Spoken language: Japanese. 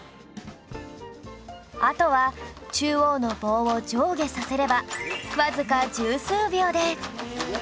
あとは中央の棒を上下させればわずか十数秒で